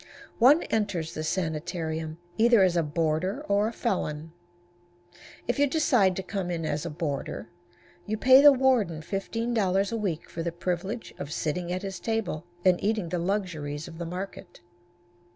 One enters this sanitarium either as a boarder or a felon. If you decide to come in as a boarder, you pay the warden $15 a week for the privilege of sitting at his table and eating the luxuries of the market.